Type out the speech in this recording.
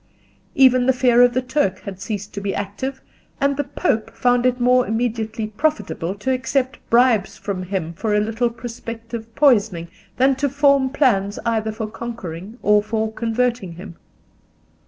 Even the fear of the Turk had ceased to be active, and the Pope found it more immediately profitable to accept bribes from him for a little prospective poisoning than to form plans either for conquering or for converting him.